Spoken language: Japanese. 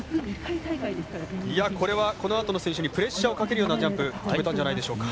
これは、このあとの選手にプレッシャーをかけるようなジャンプ飛べたんじゃないでしょうか。